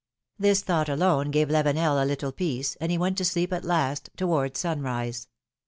This thought alone gave Lavenel a little peace, and he went to sleep at last, towards sunrise.